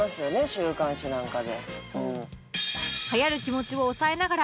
週刊誌なんかで。